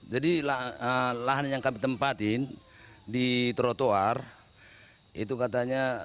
jadi lahan yang kami tempatin di trotoar itu katanya